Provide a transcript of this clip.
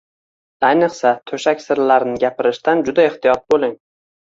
Ayniqsa, to‘shak sirlarini gapirishdan juda ehtiyot bo‘ling.